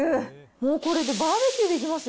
もうこれでバーベキューできますよ。